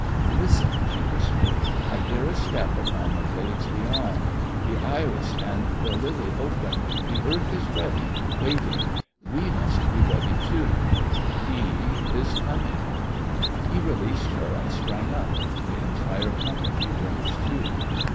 "Listen!" she whispered. "I hear a step upon the glades beyond. The iris and the lily open; the earth is ready, waiting; we must be ready too! He is coming!" He released her and sprang up; the entire company rose too.